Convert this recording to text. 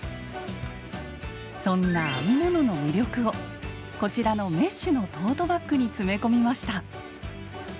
そんな編み物の魅力をこちらのメッシュのトートバッグに詰め込みました。